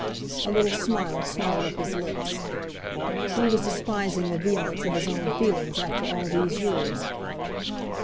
A little smile snarled up his lips. He was despising the vehemence of his own feelings after all these years.